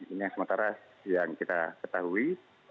ini yang sementara yang kita ketahui